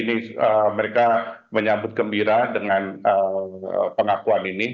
ini mereka menyambut gembira dengan pengakuan ini